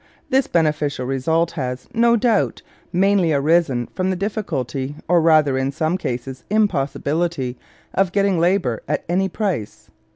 This beneficial result has, no doubt, mainly arisen from the difficulty, or rather in some cases impossibility, of getting labour at any price.'